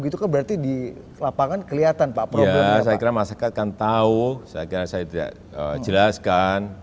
gitu keberti di lapangan kelihatan pak sebelumnya saya keras akan tahu saya kerasa tidak jelaskan